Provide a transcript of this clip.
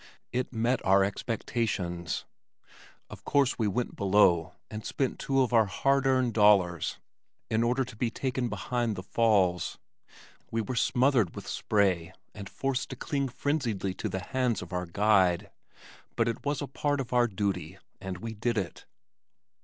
It met our expectations. Of course we went below and spent two of our hard earned dollars in order to be taken behind the falls. We were smothered with spray and forced to cling frenziedly to the hands of our guide, but it was a part of our duty, and we did it.